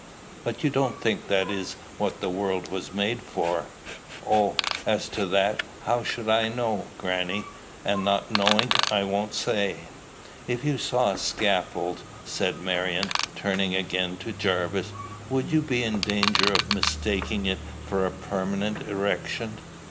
"But you don't think that is what the world was made for?" "Oh! as to that, how should I know, grannie? And not knowin', I won't say." "If you saw a scaffold," said Marion, turning again to Jarvis, "would you be in danger of mistaking it for a permanent erection?"